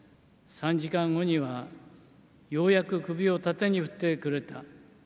３時間後にはようやく首を縦に振ってくれた。